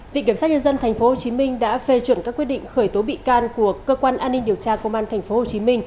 viện kiểm sát nhân dân tp hcm đã phê chuẩn các quyết định khởi tố bị can của cơ quan an ninh điều tra công an tp hcm